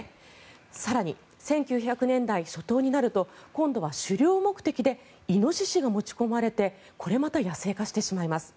更に、１９００年代初頭になると今度は狩猟目的でイノシシが持ち込まれてこれまた野生化してしまいます。